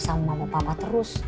sama mama papa terus